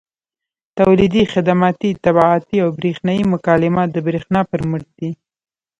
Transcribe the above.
تولیدي، خدماتي، طباعتي او برېښنایي مکالمات د برېښنا پر مټ دي.